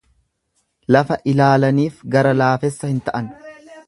Lafa ilaalaniif gara laafessa hin ta'an.